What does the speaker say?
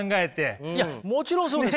いやもちろんそうです。